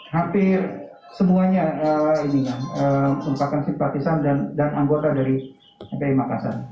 hampir semuanya sumpahkan simpatisan dan anggota dari makassar